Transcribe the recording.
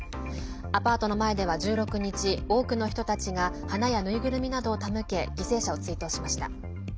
アパートの前では１６日多くの人たちが花や縫いぐるみなどを手向け犠牲者を追悼しました。